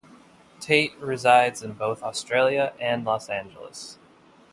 Tate resides in both Australia and Los Angeles.